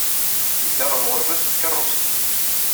Yedda ɣer uɣerbaz s tkeṛṛust.